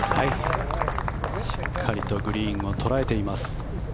しっかりグリーンを捉えています。